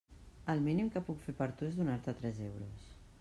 El mínim que puc fer per tu és donar-te tres euros.